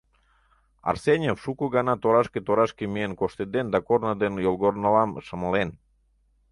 Арсеньев шуко гана торашке-торашке миен коштеден да корно ден йолгорнылам шымлен.